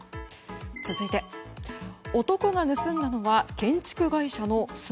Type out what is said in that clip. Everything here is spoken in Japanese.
続いて男が盗んだのは建築会社の砂。